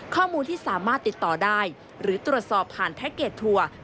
ข้อมูลที่สามารถติดต่อได้หรือตรวจสอบผ่านแพ็คเกจทัวร์